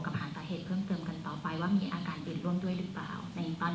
หาสาเหตุเพิ่มเติมกันต่อไปว่ามีอาการอื่นร่วมด้วยหรือเปล่า